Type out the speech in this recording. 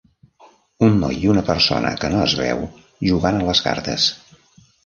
Un noi i una persona que no es veu jugant a les cartes.